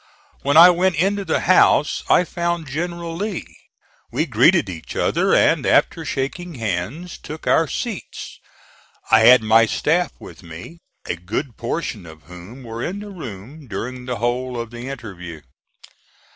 When I went into the house I found General Lee. We greeted each other, and after shaking hands took our seats. I had my staff with me, a good portion of whom were in the room during the whole of the interview.